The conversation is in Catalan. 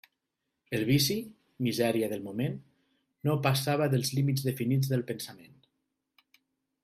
El vici —misèria del moment— no passava dels límits definits del pensament.